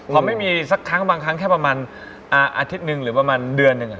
พอไม่มีสักครั้งบางครั้งแค่ประมาณอาทิตย์หนึ่งหรือประมาณเดือนหนึ่ง